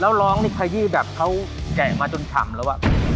แล้วร้องนี่คลายี่แบบเขาแก่งมาจนถำแล้วอ่ะ